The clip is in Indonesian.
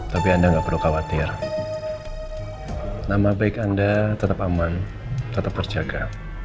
tapi anda nggak perlu khawatir nama baik anda tetap aman tetap terjaga